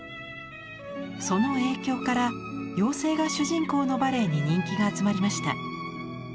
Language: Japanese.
その影響から妖精が主人公のバレエに人気が集まりました。